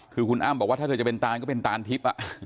คือคุณอ้ำบอกว่าถ้าเธอจะเป็นตานก็เป็นตานทิพย์